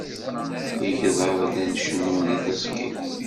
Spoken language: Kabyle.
Igḍaḍ llan cennun deg teẓgi.